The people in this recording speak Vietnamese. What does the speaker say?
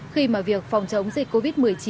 khi mà việc phòng chống dịch covid một mươi chín